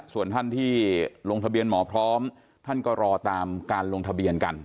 ส่วนท่านที่ลงทะเบียนหมอพร้อมท่านก็รอตามการลงทะเบียนกัน